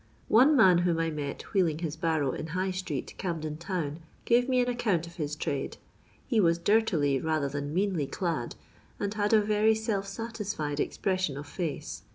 One man whom I met wheeling his barrow in High street, Camden town, gave me an account of his trade. He was dirtily rather than meanly clad, and had a very self satisfied expression of face.